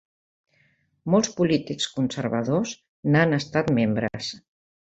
Molts polítics conservadors n'han estat membres.